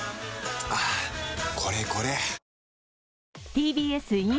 はぁこれこれ！